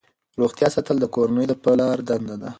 روغتیا ساتل د کورنۍ د پلار دنده ده.